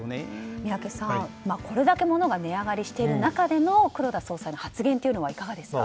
宮家さん、これだけのものが値上がりしている中での黒田総裁の発言はいかがですか。